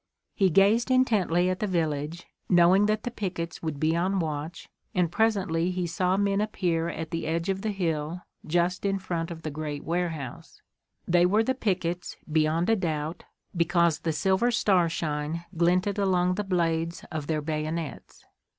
He gazed intently at the village, knowing that the pickets would be on watch, and presently he saw men appear at the edge of the hill just in front of the great warehouse. They were the pickets, beyond a doubt, because the silver starshine glinted along the blades of their bayonets.